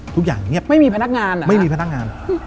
ทุกอย่างเงียบไม่มีพนักงานไม่มีพนักงาน